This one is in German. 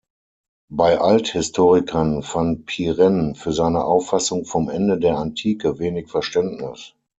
Bei Althistorikern fand Pirenne für seine Auffassung vom Ende der Antike wenig Verständnis.